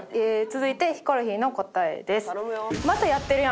続いてヒコロヒーの答えです。